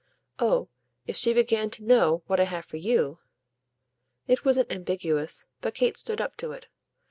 "Oh if she began to know what I have for you !" It wasn't ambiguous, but Kate stood up to it.